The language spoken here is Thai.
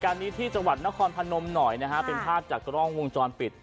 นี้ที่จังหวัดนครพนมหน่อยนะฮะเป็นภาพจากกล้องวงจรปิด